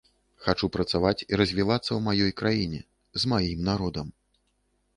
Хачу працаваць і развівацца ў маёй краіне, з маім народам.